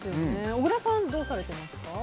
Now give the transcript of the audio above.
小倉さん、どうされてますか？